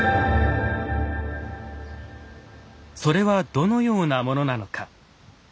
それはどのようなものなのか。